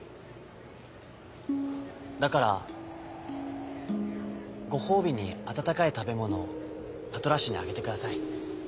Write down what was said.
「だからごほうびにあたたかいたべものをパトラッシュにあげてください。